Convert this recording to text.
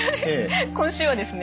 今週はですね